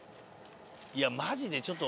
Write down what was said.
いやマジでちょっと。